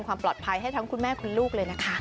ความปลอดภัยให้ทั้งคุณแม่คุณลูกเลยนะคะ